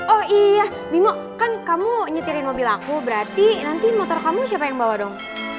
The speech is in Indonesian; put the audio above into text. oh iya bimo kan kamu nyetirin mobil aku berarti nanti motor kamu siapa yang bawa dong